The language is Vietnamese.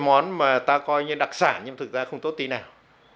món mà ta coi như đặc sản nhưng thực ra không tốt tí nào